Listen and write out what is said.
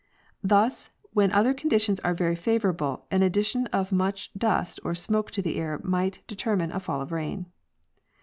Thus, when other conditions are very favorable, an addition of much dust or smoke to the air might determine a fall of rain.